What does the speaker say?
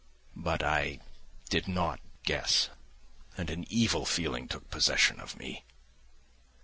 But I did not guess, and an evil feeling took possession of me.